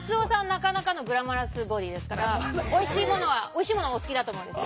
なかなかのグラマラスボディーですからおいしいものはお好きだと思うんです。